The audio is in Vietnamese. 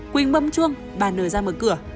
quỳnh bấm chuông bà nờ ra mở cửa